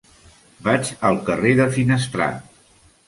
Vaig al carrer de Finestrat.